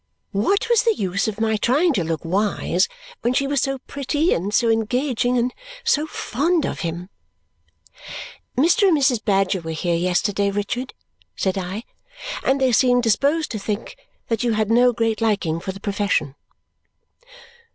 What was the use of my trying to look wise when she was so pretty, and so engaging, and so fond of him! "Mr. and Mrs. Badger were here yesterday, Richard," said I, "and they seemed disposed to think that you had no great liking for the profession."